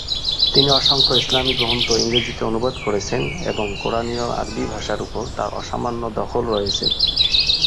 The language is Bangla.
তিনি অসংখ্য ইসলামি গ্রন্থ ইংরেজিতে অনুবাদ করেছেন এবং কোরআনীয় আরবি ভাষার উপর তাঁর অসামান্য দখল রয়েছে।